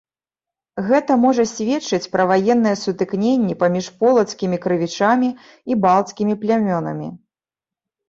Гэта можа сведчыць пра ваенныя сутыкненні паміж полацкімі крывічамі і балцкімі плямёнамі.